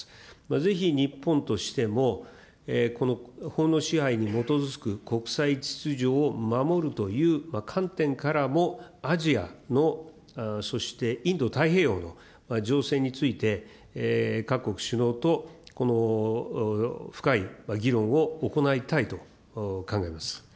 ぜひ日本としても、法の支配に基づく国際秩序を守るという観点からも、アジアの、そしてインド太平洋の情勢について、各国首脳と深い議論を行いたいと考えます。